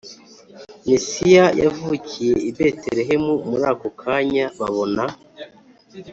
Mesiya yavukiye i Betelehemu Muri ako kanya babona